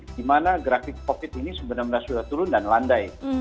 di mana grafik covid ini sebenarnya sudah turun dan landai